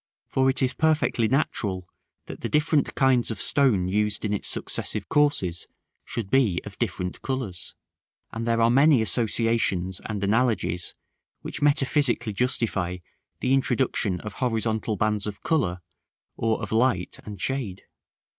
For it is perfectly natural that the different kinds of stone used in its successive courses should be of different colors; and there are many associations and analogies which metaphysically justify the introduction of horizontal bands of color, or of light and shade.